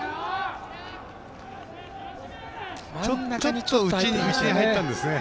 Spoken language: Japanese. ちょっと内に入ったんですね。